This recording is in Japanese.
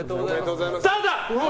ただ！